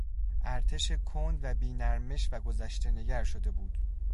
ارتش کند و بی نرمش و گذشتهنگر شده بود.